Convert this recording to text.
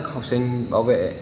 học sinh bảo vệ